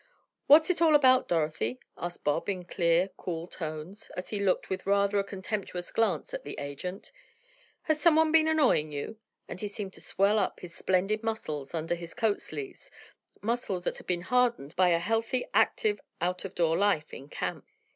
"What's it all about, Dorothy?" asked Bob in clear, cool tones, as he looked with rather a contemptuous glance at the agent. "Has someone been annoying you?" and he seemed to swell up his splendid muscles under his coat sleeves—muscles that had been hardened by a healthy, active out of door life in camp.